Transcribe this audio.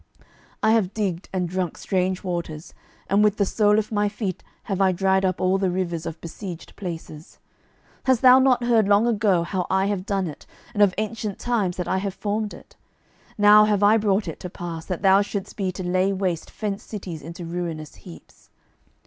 12:019:024 I have digged and drunk strange waters, and with the sole of my feet have I dried up all the rivers of besieged places. 12:019:025 Hast thou not heard long ago how I have done it, and of ancient times that I have formed it? now have I brought it to pass, that thou shouldest be to lay waste fenced cities into ruinous heaps.